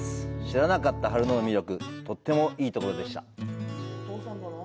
知らなかった春野の魅力、とってもいいところでした！